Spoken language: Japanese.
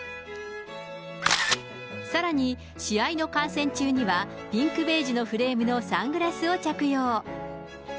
さらに、試合の観戦中には、ピンクベージュのフレームのサングラスを着用。